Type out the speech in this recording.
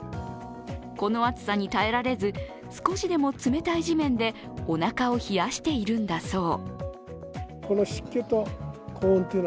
この暑さに耐えられず、少しでも冷たい地面でおなかを冷やしているんだそう。